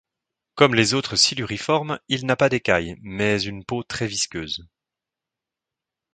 Comme les autres siluriformes, il n'a pas d'écailles, mais une peau très visqueuse.